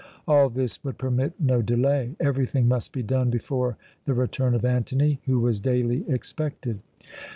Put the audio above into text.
All this would permit no delay. Everything must be done before the return of Antony, who was daily expected.